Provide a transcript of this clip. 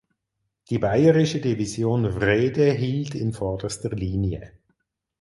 Die bayerische Division Wrede hielt in vorderster Linie.